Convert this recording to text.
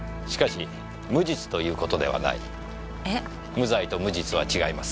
無罪と無実は違います。